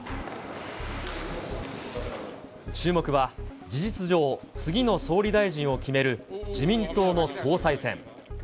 注目は事実上、次の総理大臣を決める自民党の総裁選。